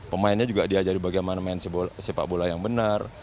pemainnya juga diajari bagaimana main sepak bola yang benar